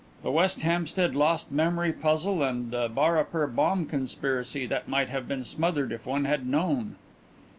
"The West Hampstead Lost Memory puzzle and the Baripur bomb conspiracy that might have been smothered if one had known."